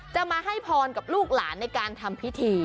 จะมาให้พรกับลูกหลานในการทำพิธี